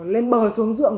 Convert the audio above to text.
lên bờ xuống ruộng